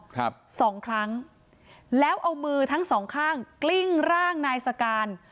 สองครั้งแล้วเอามือทั้งสองข้างกลิ้งร่างนายสการ